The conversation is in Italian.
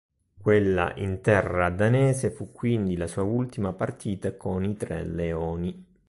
Quella in terra danese fu quindi la sua ultima partita con i "Tre leoni".